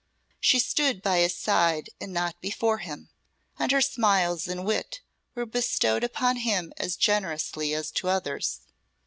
She stood by his side and not before him, and her smiles and wit were bestowed upon him as generously as to others.